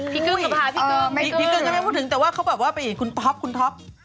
พี่กึกก็พาพี่กึกพี่กึกได้พูดถึงแต่ว่าเขาบอกว่าคุณท็อปคุณท็อป